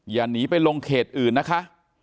อย่าหนีไปลงเขตอื่นนะคะ